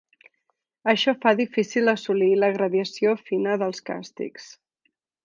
Això fa difícil assolir la gradació fina dels càstigs.